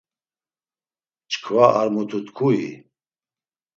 Çkva ar mutu tkui?